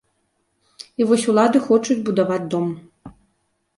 І вось улады хочуць будаваць дом.